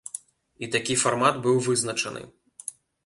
І такі фармат быў вызначаны.